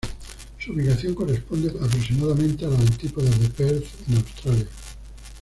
Su ubicación corresponde aproximadamente a las antípodas de Perth, en Australia.